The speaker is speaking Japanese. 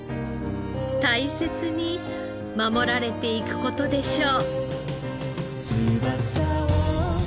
大切に守られていく事でしょう。